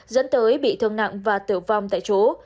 dẫn tới bị thương nặng và tử vong tại chỗ